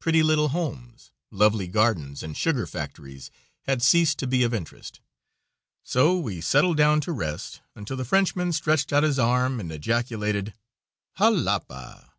Pretty little homes, lovely gardens and sugar factories had ceased to be of interest, so we settled down to rest until the Frenchman stretched out his arm and ejaculated "Jalapa!"